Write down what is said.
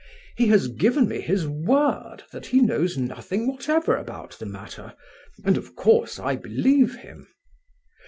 He has given me his word that he knows nothing whatever about the matter, and of course I believe him.